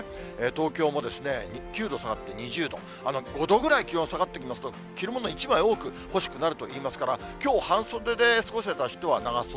東京も９度下がって２０度、５度ぐらい気温下がってきますと、着る物１枚多く欲しくなるといいますから、きょう半袖で過ごせた人は長袖。